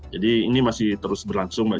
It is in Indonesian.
jadi ini masih terus berlangsung mbak